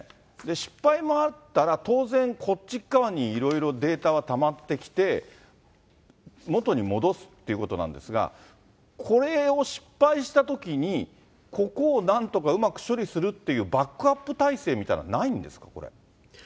失敗もあったら、当然、こっち側にいろいろデータはたまってきて、元に戻すっていうことなんですが、これを失敗したときに、ここをなんとかうまく処理するっていう、バックアップ体制みたいなのはないんですか、これ。